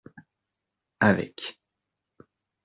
Avec.